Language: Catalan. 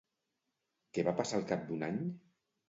Què va passar al cap d'un any?